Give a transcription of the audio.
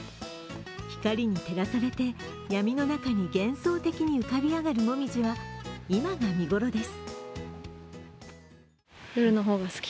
光に照らされて、闇の中に幻想的に浮かび上がるもみじは今が見頃です。